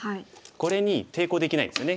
これに抵抗できないんですよね。